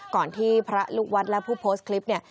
ที่พระลูกวัดและผู้โพสต์คลิปเนี่ย